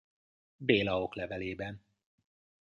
Béla oklevelében.